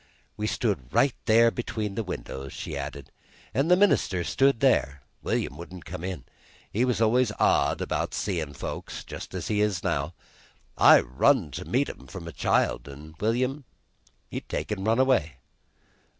"We stood right there between the windows," she added, "and the minister stood here. William wouldn't come in. He was always odd about seein' folks, just's he is now. I run to meet 'em from a child, an' William, he'd take an' run away."